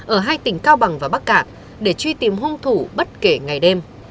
ở hai tỉnh cao bằng và bắc cạn để truy tìm hung thủ bất kể ngày đêm